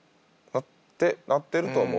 なってると思う。